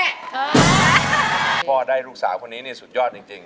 พ่อได้ลูกสาวคนนี้นี่สุดยอดจริง